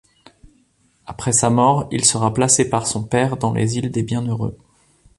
Après sa mort, il sera placé par son père dans les Îles des Bienheureux.